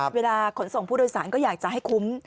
ขนส่งผู้โดยสารก็อยากจะให้คุ้ม